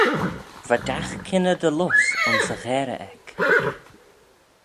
Va dagh kynney dy lus ayns y gharey eck.